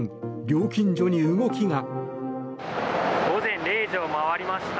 料金所に動きが。